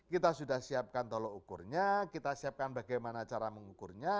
kita sudah siapkan tolok ukurnya kita siapkan bagaimana cara mengukurnya